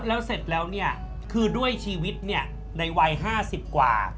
แล้วเสร็จแล้วเนี่ยคือด้วยชีวิตเนี่ยในวัย๕๐กว่า